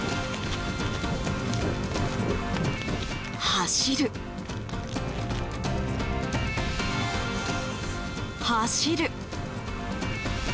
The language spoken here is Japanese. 走る、走る！